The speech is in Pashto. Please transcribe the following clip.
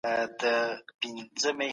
په کور کې ماشوم ته سپکاوی نه کېږي.